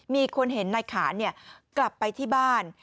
มีคนเห็นนายขานกลับไปที่บ้าน